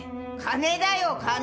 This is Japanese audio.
金だよ金！